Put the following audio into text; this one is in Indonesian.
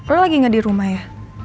lo lagi nggak di rumah ya